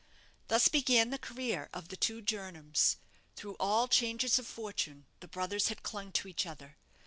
Thus began the career of the two Jernams. Through all changes of fortune, the brothers had clung to each other.